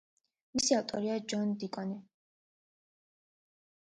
მისი ავტორია ჯონ დიკონი.